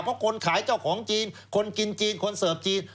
เพราะคนขายเจ้าของจีนคนกินจีนคนเสิร์ฟจีน